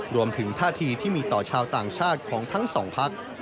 รวมถึงท่าทีที่มีต่อชาวต่างชาติของทั้งสองพัก